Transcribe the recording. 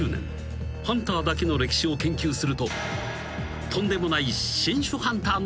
［ハンターだけの歴史を研究するととんでもない新種ハンターの数々］